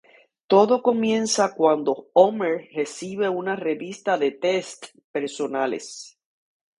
Todo comienza cuando Homer recibe una revista de tests personales.